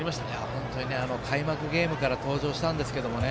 本当に開幕ゲームから登場したんですけどね。